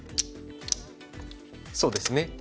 そうですね